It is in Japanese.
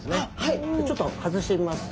ちょっと外してみます。